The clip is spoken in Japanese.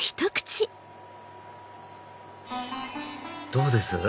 どうです？